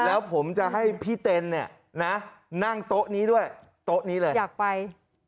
แล้วผมจะให้พี่เต็นเนี่ยนะนั่งโต๊ะนี้ด้วยโต๊ะนี้เลยอยากไป